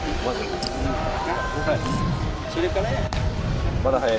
それからや。